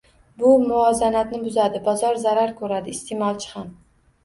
Bu muvozanatni buzadi, bozor zarar ko'radi, iste'molchi ham